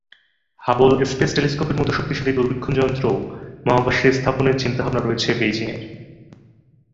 Hubble space টেলিস্কোপের মতো শক্তিশালী দূরবীক্ষণযন্ত্রও মহাকাশে স্থাপনের চিন্তাভাবনা রয়েছে বেইজিংয়ের।